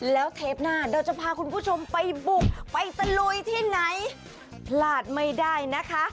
แล้วเทปหน้าเดี๋ยวจะพาคุณผู้ชมไปบุกไปตะลุยที่ไหนพลาดไม่ได้นะคะ